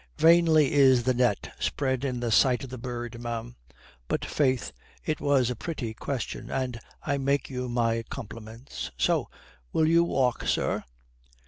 "Vainly is the net spread in the sight of the bird, ma'am. But, faith, it was a pretty question, and I make you my compliments." "So. Will you walk, sir?"